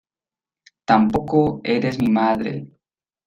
tampoco eres mi madre.